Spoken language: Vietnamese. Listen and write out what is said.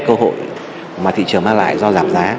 cơ hội mà thị trường mang lại